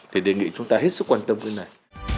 thì đề nghị chúng ta hết sức quan tâm cái này